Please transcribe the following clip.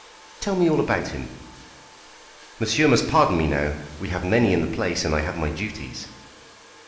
"Tell me all about him." "Monsieur must pardon me now. We have many in the place, and I have my duties."